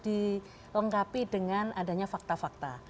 dilengkapi dengan adanya fakta fakta